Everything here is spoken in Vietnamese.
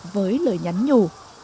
với lời nhắn nhủ